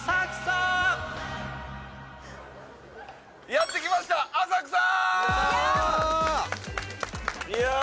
やって来ました、浅草。